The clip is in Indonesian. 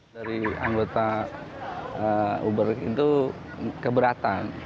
dari anggota uber itu keberatan